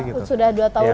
sudah dua tahun jalan